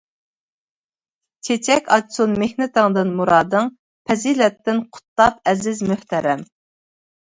چېچەك ئاچسۇن مېھنىتىڭدىن مۇرادىڭ، پەزىلەتتىن قۇت تاپ ئەزىز، مۆھتەرەم.